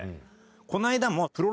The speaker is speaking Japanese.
この間も。